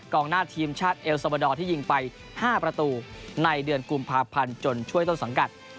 หน้าทีมชาติเอลซาบาดอร์ที่ยิงไป๕ประตูในเดือนกุมภาพันธ์จนช่วยต้นสังกัด